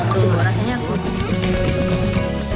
tuh rasanya kutu